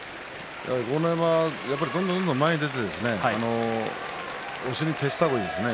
豪ノ山はどんどん前に出て押しに徹した方がいいですね。